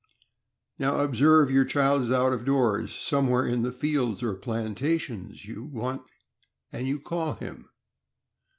Now observe, your child is out of doors, somewhere in the fields or plantations; you want and you call him.